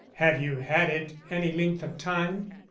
"Have you had it any length of time?"